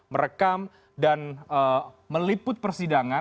merekam dan meliput persidangan